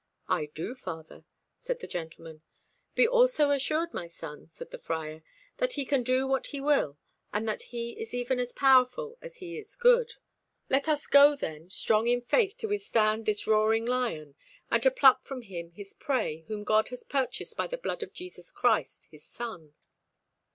"I do, father," said the gentleman. "Be also assured, my son," said the friar, "that He can do what He will, and that He is even as powerful as He is good. Let us go, then, strong in faith to withstand this roaring lion, and to pluck from him his prey, whom God has purchased by the blood of Jesus Christ, His Son."